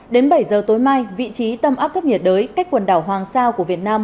đến bảy giờ tối mai vị trí tâm áp thấp nhiệt đới cách quần đảo hoàng sa của việt nam